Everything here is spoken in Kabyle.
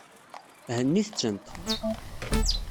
Hennit-tent.